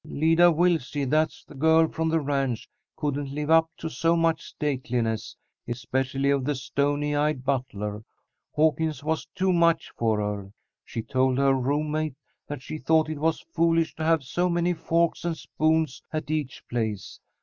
"Lida Wilsy that's the girl from the ranch couldn't live up to so much stateliness, especially of the stony eyed butler. Hawkins was too much for her. She told her roommate that she thought it was foolish to have so many forks and spoons at each place.